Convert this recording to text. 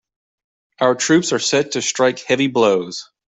Our troops are set to strike heavy blows.